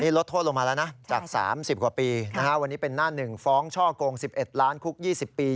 ลดโทษลงมาแล้วนะจาก๓๐กว่าปีวันนี้เป็นหน้าหนึ่งฟ้องช่อกง๑๑ล้านคุก๒๐ปี